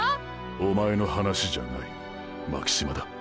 ⁉おまえの話じゃない巻島だ。